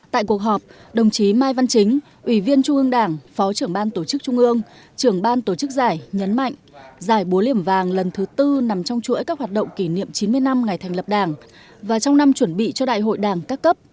tại cuộc họp đồng chí mai văn chính ủy viên trung ương đảng phó trưởng ban tổ chức trung ương trưởng ban tổ chức giải nhấn mạnh giải búa liềm vàng lần thứ tư nằm trong chuỗi các hoạt động kỷ niệm chín mươi năm ngày thành lập đảng và trong năm chuẩn bị cho đại hội đảng các cấp